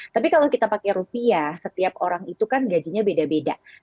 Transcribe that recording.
tapi kalau kita pakai rupiah setiap orang itu kan gajinya beda beda